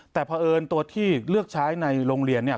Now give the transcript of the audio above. แต่เพราะเอิญตัวที่เลือกใช้ในโรงเรียนเนี่ย